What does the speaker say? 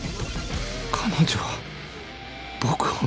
彼女は僕を。